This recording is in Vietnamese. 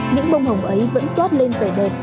những bông hồng ấy vẫn toát lên về đời